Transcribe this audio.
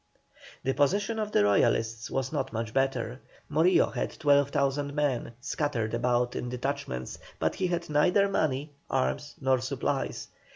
The position of the Royalists was not much better. Morillo had 12,000 men scattered about in detachments, but he had neither money, arms, nor supplies.